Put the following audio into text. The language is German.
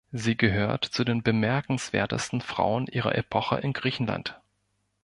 Sie gehört zu den bemerkenswertesten Frauen ihrer Epoche in Griechenland.